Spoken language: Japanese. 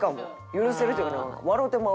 許せるというか。